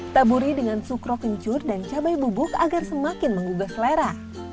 taburi dengan sukro kencur dan cabai bubuk agar semakin menggugah selera